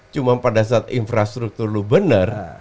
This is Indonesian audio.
cuma pada saat infrastruktur lo benar